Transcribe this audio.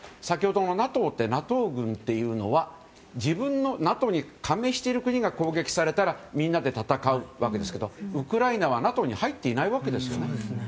先ほどのＮＡＴＯってＮＡＴＯ軍というのはＮＡＴＯに加盟している国が攻撃されたらみんなで戦うわけですけどウクライナは、ＮＡＴＯに入っていないわけですよね。